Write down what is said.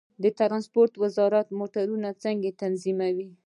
د ترانسپورت وزارت موټر څنګه تنظیموي؟